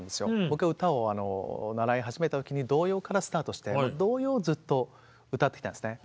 僕が歌を習い始めた時に童謡からスタートして童謡をずっと歌ってきたんですね。